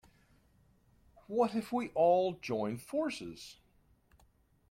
What if we all joined forces?